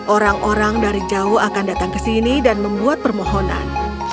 orang orang dari jauh akan datang ke sini dan membuat permohonan